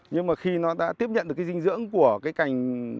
nhưng mà khi nó đã tiếp nhận được cái dinh dưỡng của cái cành